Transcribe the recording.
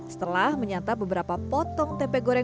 setelah menyata beberapa potong tepe goreng